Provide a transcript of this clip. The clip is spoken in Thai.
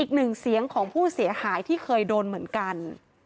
อีกหนึ่งเสียงของผู้เสียหายที่เคยโดนเหมือนกัน